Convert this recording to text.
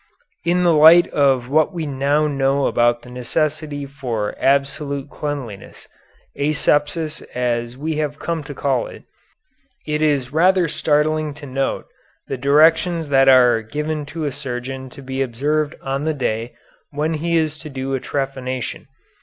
In the light of what we now know about the necessity for absolute cleanliness, asepsis as we have come to call it, it is rather startling to note the directions that are given to a surgeon to be observed on the day when he is to do a trepanation.